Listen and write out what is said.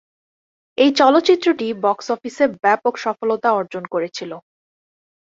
এই চলচ্চিত্রটি বক্স অফিসে ব্যাপক সফলতা অর্জন করেছিল।